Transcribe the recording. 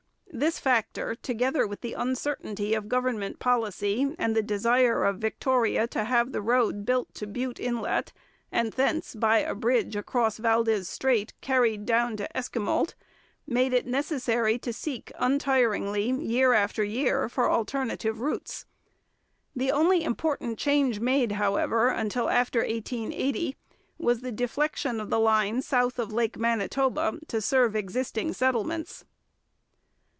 This factor, together with the uncertainty of government policy and the desire of Victoria to have the road built to Bute Inlet and thence, by a bridge across Valdes Strait, carried down to Esquimalt, made it necessary to seek untiringly, year after year, for alternative routes. The only important change made, however, until after 1880, was the deflection of the line south of Lake Manitoba to serve existing settlements.